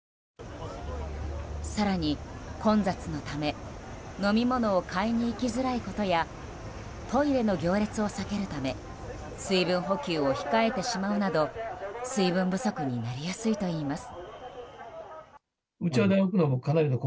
更に、混雑のため飲み物を買いに行きづらいことやトイレの行列を避けるため水分補給を控えてしまうなど水分不足になりやすいといいます。